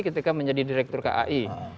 ketika menjadi direktur kai